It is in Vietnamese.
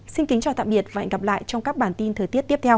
xin kính chào tạm biệt và hẹn gặp lại trong các bản tin thời tiết tiếp theo